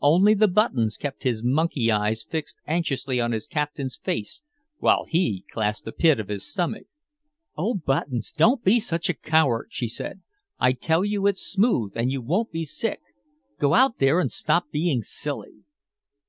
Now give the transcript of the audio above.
Only the Buttons kept his monkey eyes fixed anxiously on his captain's face while he clasped the pit of his stomach. "Oh, Buttons, don't be such a coward," she said. "I tell you it's smooth and you won't be sick! Go out there and stop being silly!"